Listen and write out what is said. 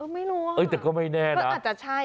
ไม่รู้แต่ก็ไม่แน่นะอาจจะใช่